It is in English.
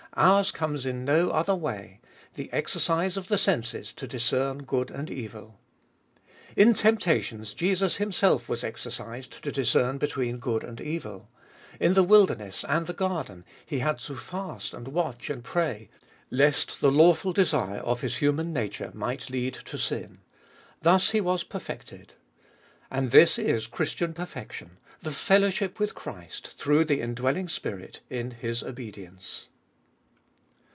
Ours comes in no other way — the exercise of the senses to discern good and evil. In temptations Jesus Himself was exercised to discern between good and evil : in the wilderness and the garden He had to fast and watch and pray, lest the lawful desire of His human nature might lead to sin : thus He was perfected. And this is Christian perfection — the fellowship with Christ, through the indwelling Spirit, in His obedience.